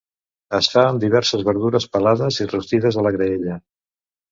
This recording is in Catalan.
Es fa amb diverses verdures pelades i rostides a la graella.